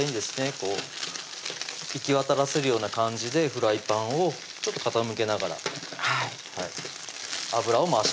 こう行き渡らせるような感じでフライパンをちょっと傾けながら油を回します